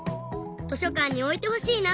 図書かんにおいてほしいな。